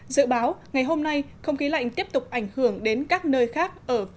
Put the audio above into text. dự báo ngày hôm nay không khí lạnh tiếp tục ảnh hưởng đến các nơi khác ở